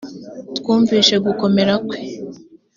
twumvise gukomera kwe